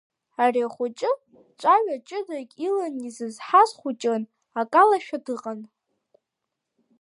Ари ахәыҷы цәаҩа ҷыдак илан изызҳаз хәыҷын, акалашәа дыҟан…